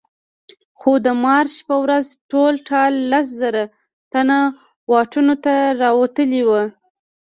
خو د مارش په ورځ ټول ټال لس زره تنه واټونو ته راوتلي وو.